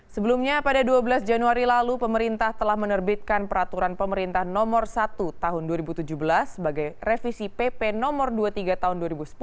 sebelumnya pada dua belas januari lalu pemerintah telah menerbitkan peraturan pemerintah nomor satu tahun dua ribu tujuh belas sebagai revisi pp no dua puluh tiga tahun dua ribu sepuluh